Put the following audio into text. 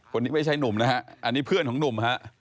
คนนี้ไม่ใช่หนุ่มนะฮะอันนี้เพื่อนของหนุ่มฮะ